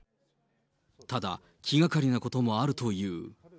ただ、気がかりなこともあるという。